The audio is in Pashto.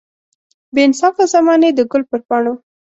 بې انصافه زمانې د ګل پر پاڼو.